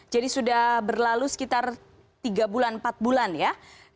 jadi sudah berlalu sekitar tiga bulan empat bulan ya